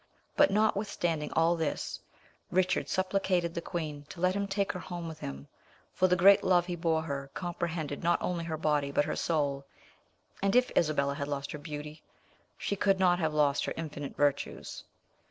But notwithstanding all this, Richard supplicated the queen to let him take her home with him, for the great love he bore her comprehended not only her body but her soul, and if Isabella had lost her beauty, she could not have lost her infinite virtues.